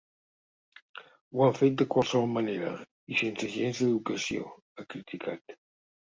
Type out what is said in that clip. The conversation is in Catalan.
Ho han fet de qualsevol manera i sense gens d’educació, ha criticat.